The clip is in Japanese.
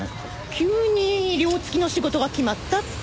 急に寮付きの仕事が決まったって。